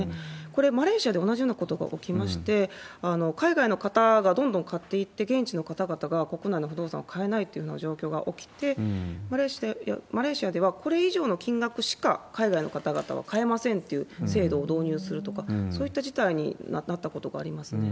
これ、マレーシアで同じようなことがおきまして、海外の方がどんどん買っていって現地の方々が国内の不動産を買えないっていうような状況が起きて、マレーシアではこれ以上の金額しか、海外の方々は買えませんっていう制度を導入するとか、そういった事態になったことがありますね。